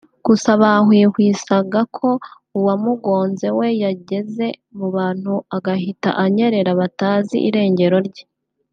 gusa banahwihwisaga ko uwamugonze we yageze mu bantu agahita anyerera batazi irengero rye